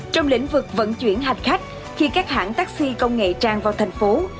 trong lĩnh vực vận chuyển hành khách khi các hãng taxi công nghệ trang vào thành phố